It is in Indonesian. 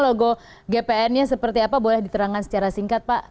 karena logo gpn nya seperti apa boleh diterangkan secara singkat pak